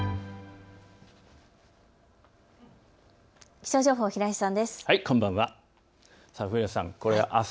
気象情報、平井さんです。